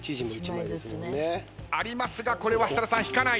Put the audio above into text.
ありますがこれは設楽さん引かない。